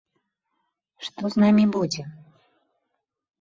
Што з намі будзе?